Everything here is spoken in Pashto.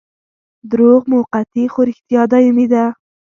دروغ موقتي خو رښتیا دايمي دي.